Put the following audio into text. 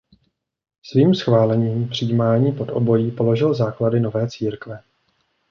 Svým schválením přijímání pod obojí položil základy nové církve.